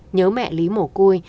nhớ mẹ lý mổ cui